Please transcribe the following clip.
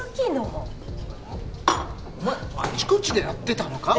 お前あちこちでやってたのか？